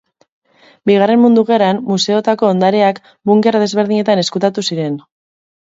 Bigarren mundu gerran museoetako ondareak bunker desberdinetan ezkutatu ziren.